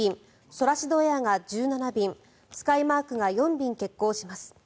ソラシドエアが１７便スカイマークが４便欠航します。